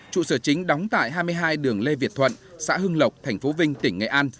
trụ sở chính đóng tại hai mươi hai đường lê việt thuận xã hưng lộc tp vinh tỉnh nghệ an